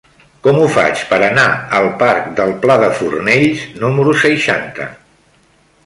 Com ho faig per anar al parc del Pla de Fornells número seixanta?